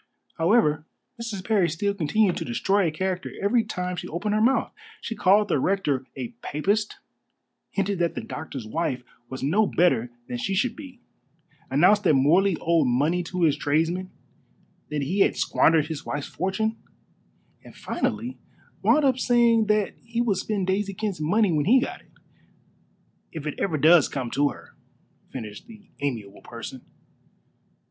However, Mrs. Parry still continued to destroy a character every time she opened her mouth. She called the rector a Papist; hinted that the doctor's wife was no better than she should be; announced that Morley owed money to his tradesmen, that he had squandered his wife's fortune; and finally wound up by saying that he would spend Daisy Kent's money when he got it. "If it ever does come to her," finished this amiable person.